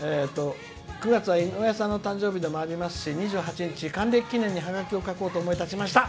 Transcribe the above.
９月は井上さんの誕生日でもありますし２８日、還暦記念にハガキを書こうと思い立ちました」。